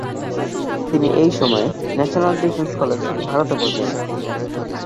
তিনি এই সময়ে ন্যাশনাল ডিফেন্স কলেজ, ভারতে পড়তে যান।